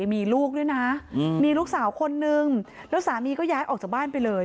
มีลูกด้วยนะมีลูกสาวคนนึงแล้วสามีก็ย้ายออกจากบ้านไปเลย